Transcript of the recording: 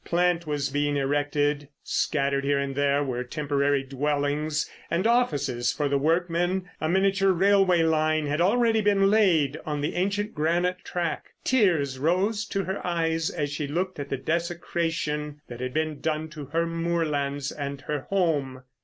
Plant was being erected; scattered here and there were temporary dwellings, and offices for the workmen; a miniature railway line had already been laid on the ancient granite track. Tears rose to her eyes as she looked at the desecration that had been done to her moorlands and her home.